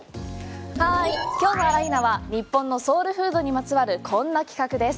今日のあら、いーな！は日本のソウルフードにまつわるこんな企画です。